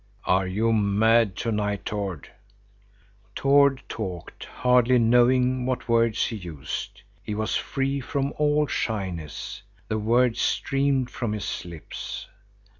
"Are you mad to night, Tord?" Tord talked, hardly knowing what words he used. He was free from all shyness. The words streamed from his lips.